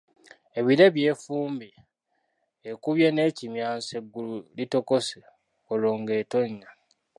"Ebire byefumbye, ekubye n’ekimyanso, eggulu litokose, olwo ng’etonnya."